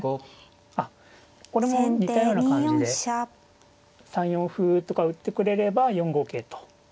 あっこれも似たような感じで３四歩とか打ってくれれば４五桂と。